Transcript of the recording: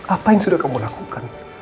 apa yang sudah kamu lakukan